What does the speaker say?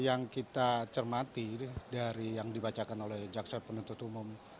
yang kita cermati dari yang dibacakan oleh jaksa penuntut umum